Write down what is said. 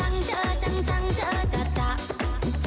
อะไรมันจะง่ายขนาดนั้นหรือครับพี่